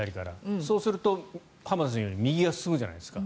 そうすると浜田さんが言うように右が進むじゃないですか。